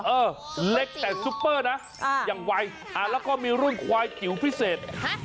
เออเล็กแต่ซุปเปอร์นะอย่างวัยแล้วก็มีรุ่นควายจิ๋วพิเศษ